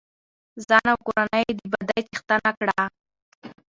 ځان او کورنۍ يې د بدۍ څښتنه کړه.